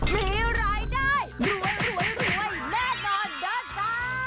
มีรายได้รวยแน่นอนนะคะ